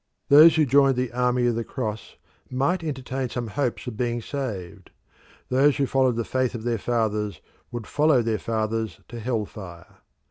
Those who joined the army of the cross might entertain some hopes of being saved; those who followed the faith of their fathers would follow their fathers to hell fire.